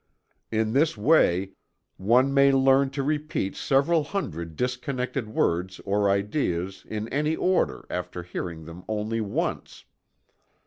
In this way one may learn to repeat several hundred disconnected words or ideas in any order after hearing them only once."